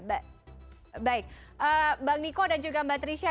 baik bang niko dan juga mbak trisha